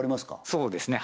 そうですね